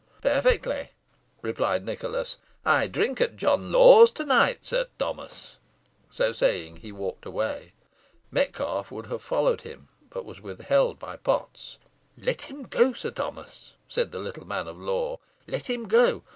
"Perfectly," replied Nicholas. "I drink at John Lawe's to night, Sir Thomas." So saying, he walked away. Metcalfe would have followed him, but was withheld by Potts. "Let him go, Sir Thomas," said the little man of law; "let him go.